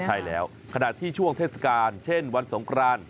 ใช่แล้วขณะที่ช่วงเทศกาลเช่นวันสงคราน